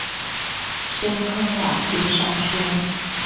深坑老街商圈